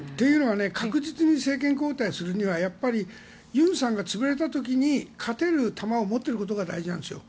確実に政権交代するにはユンさんが潰れた時に勝てる弾を持っていることが大事なんですよね。